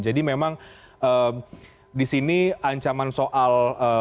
jadi memang disini ancaman soal